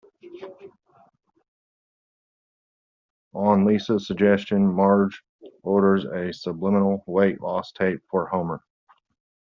On Lisa's suggestion, Marge orders a subliminal weight loss tape for Homer.